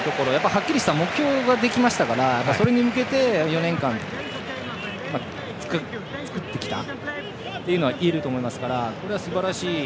はっきりした目標ができましたからそれに向けて４年間作ってきたと言えると思いますからこれは、すばらしい。